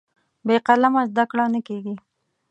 بې قلمه زده کړه نه کېږي.